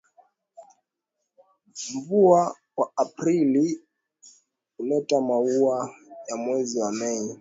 Mvua wa Aprili huleta maua ya mwezi wa Mei